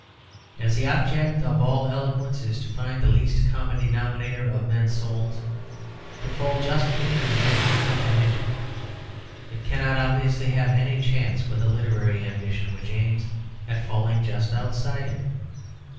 As the object of all eloquence is to find the least common denominator of men's souls, to fall just within the natural comprehension, it cannot obviously have any chance with a literary ambition which aims at falling just outside it.